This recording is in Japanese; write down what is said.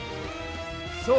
そう！